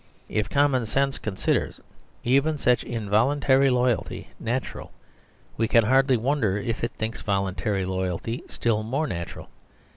If common sense considers even such involuntary loyalty natural, we can hardly wonder if it thinks voluntary loyalty still more natural.